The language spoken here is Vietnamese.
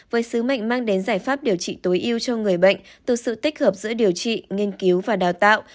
với sứ mệnh mang đến giải pháp điều trị tối ưu cho người bệnh từ sự tích hợp giữa điều trị nghiên cứu và đào tạo